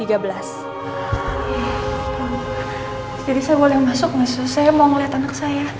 jadi saya boleh masuk gak sih saya mau ngeliat anak saya